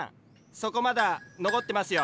そこまだ残ってますよ。